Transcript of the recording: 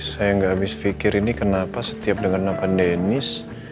saya gak habis pikir ini kenapa setiap denger nampan dennis